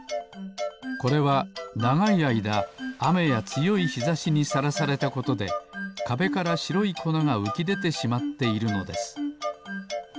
これはながいあいだあめやつよいひざしにさらされたことでかべからしろいこながうきでてしまっているのです。